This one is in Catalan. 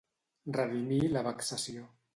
Redimir la vexació.